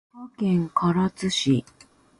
佐賀県唐津市